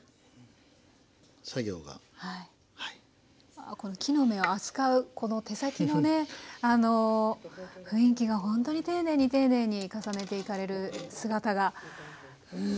あこの木の芽を扱うこの手先のねあの雰囲気がほんとに丁寧に丁寧に重ねていかれる姿がうん。